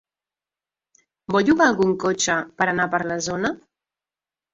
Vol llogar algun cotxe per anar per la zona?